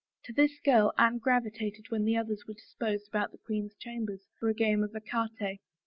To this girl Anne gravitated when the others were disposed about the queen's chambers for a game of ecarte.